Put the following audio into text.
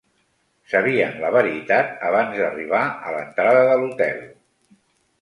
Sabien la veritat abans de arribar a l"entrada de l"hotel.